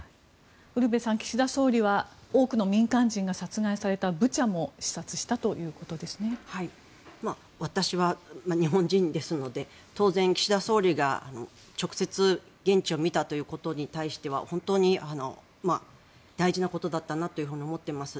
ウルヴェさん岸田総理は多くの民間人が殺害されたブチャも私は日本人ですので当然、岸田総理が直接、現地を見たということに対しては本当に大事なことだったなと思っています。